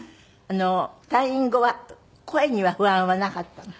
退院後は声には不安はなかったの？